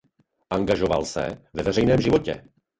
Angažoval se ve veřejném životě.